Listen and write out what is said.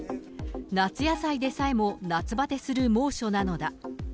夏野菜でさえも夏バテする猛暑なのだ。